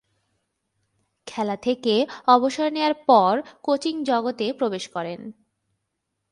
খেলা থেকে অবসর নেয়ার পর কোচিং জগতে প্রবেশ করেন।